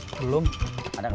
kalau luar biasa